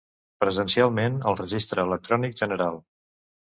Presencialment al Registre electrònic general.